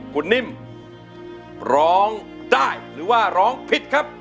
คุณนิ่มร้องได้หรือว่าร้องผิดครับ